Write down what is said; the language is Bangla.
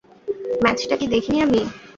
ম্যাচটা কি দেখিনি আমি?